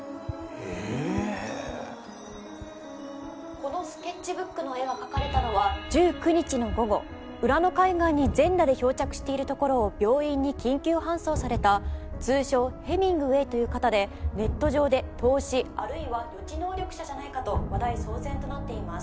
「ええーっ」「このスケッチブックの絵が描かれたのは１９日の午後浦野海岸に全裸で漂着しているところを病院に緊急搬送された通称ヘミングウェイという方でネット上で透視あるいは予知能力者じゃないかと話題騒然となっています」